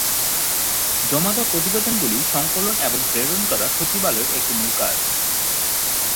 জমা দেওয়া প্রতিবেদনগুলি সংকলন এবং প্রেরণ করা সচিবালয়ের একটি মূল কাজ।